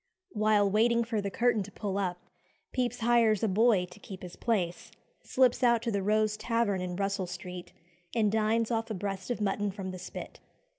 While waiting for the curtain to pull up, Pepys hires a boy to keep his place, slips out to the Rose Tavern in Russell Street, and dines off a breast of mutton from the spit.